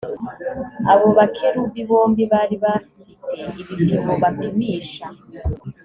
abo bakerubi bombi bari bafi te ibipimo bapimisha